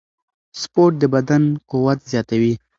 سپورت د بدن قوت زیاتوي.